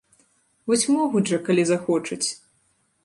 Вось могуць жа, калі захочуць!